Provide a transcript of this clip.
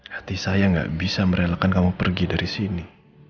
hati saya gak bisa merelakan kamu pergi dari sini